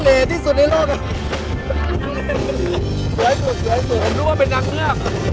เหนือกว่าเป็นนักเหนือก